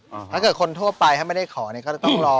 ชื่องนี้ชื่องนี้ชื่องนี้ชื่องนี้ชื่องนี้ชื่องนี้